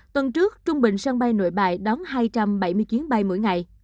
tuần trước trung bình sân bay nội bài đón hai trăm bảy mươi chuyến bay mỗi ngày